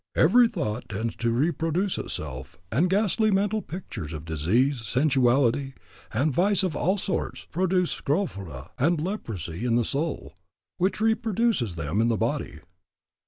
... Every thought tends to reproduce itself, and ghastly mental pictures of disease, sensuality, and vice of all sorts, produce scrofula and leprosy in the soul, which reproduces them in the body.